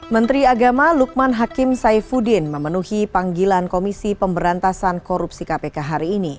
menteri agama lukman hakim saifuddin memenuhi panggilan komisi pemberantasan korupsi kpk hari ini